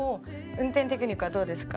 運転テクニックはどうですか？